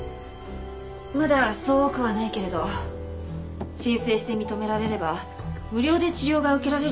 まだそう多くはないけれど申請して認められれば無料で治療が受けられる病院です。